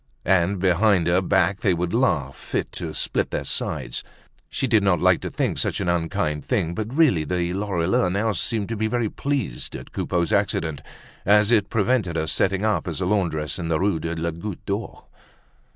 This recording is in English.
And behind her back they would laugh fit to split their sides. She did not like to think such an unkind thing, but, really, the Lorilleuxs now seemed to be very pleased at Coupeau's accident, as it prevented her setting up as a laundress in the Rue de la Goutte d'Or.